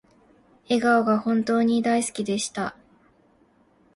笑顔が本当に大好きでした